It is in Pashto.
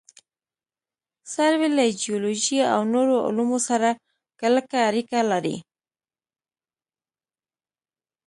سروې له جیولوجي او نورو علومو سره کلکه اړیکه لري